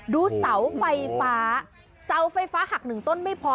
ดูเสาไฟฟ้าเสาไฟฟ้าหักหนึ่งต้นไม่พอ